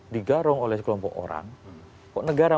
digarung oleh kelompok orang kok negara